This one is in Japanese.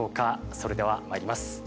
それではまいります。